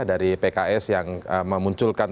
dari pks yang memunculkan